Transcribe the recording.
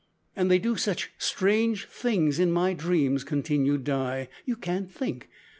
"And they do such strange things in my dreams," continued Di, "you can't think.